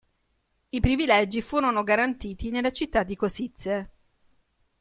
I privilegi furono garantiti nella città di Košice.